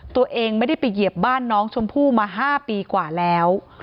ตัวเองไม่ได้ไปเหยียบบ้านน้องชมพู่มา๕ปีกว่าแล้ว